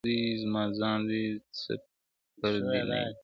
زما خو زړه دی زما ځان دی څه پردی نه دی.